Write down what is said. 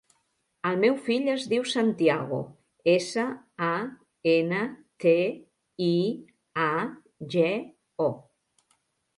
El meu fill es diu Santiago: essa, a, ena, te, i, a, ge, o.